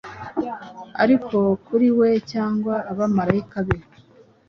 Ariko kuri we, cyangwa Abamarayika be